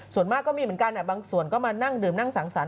ส่วนมากก็มีเหมือนกันบางส่วนก็มานั่งดื่มนั่งสังสรรค